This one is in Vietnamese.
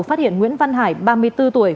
phát hiện nguyễn văn hải ba mươi bốn tuổi